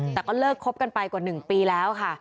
แต่ก็เลิกคบกันไปกว่า๑ปีแล้วค่ะ